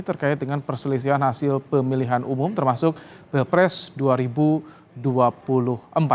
terkait dengan perselisihan hasil pemilihan umum termasuk pilpres dua ribu dua puluh empat